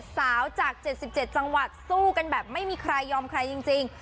สาวจาก๗๗จังหวัดสู้กันแบบไม่มีใครยอมใครจริง